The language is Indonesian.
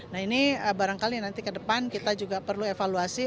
nah ini barangkali nanti ke depan kita juga perlu evaluasi